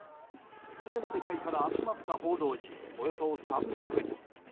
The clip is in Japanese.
全世界から集まった報道陣およそ３００人。